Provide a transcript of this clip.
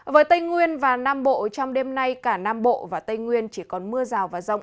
với tây nguyên và nam bộ trong đêm nay cả nam bộ và tây nguyên chỉ còn mưa rào và rông